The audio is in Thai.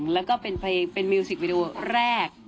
แล้วก็เป็นเพลงเป็นมิวสิกวิดีโอแรก